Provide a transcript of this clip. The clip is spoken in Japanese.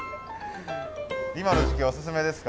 今の時期おススメですか？